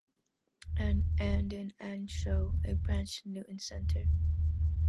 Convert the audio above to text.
An and an show a branch to Newton Centre.